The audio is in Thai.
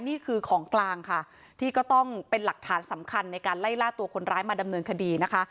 นี่คือของกลางค่ะที่ก็ต้องเป็นหลักฐานสำคัญในการไล่ล่าตัวคนร้ายมาดำเนินคดีนะคะ